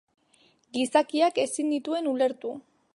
Gizakiak ezin nituen ulertu.